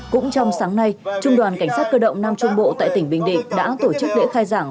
cũng trong sáng nay trung đoàn cảnh sát cơ động nam trung bộ tại tỉnh bình định đã tổ chức lễ khai giảng